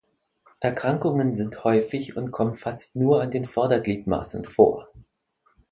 Erkrankungen sind häufig und kommen fast nur an den Vordergliedmaßen vor.